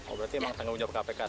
oh berarti emang tanggung jawab kpk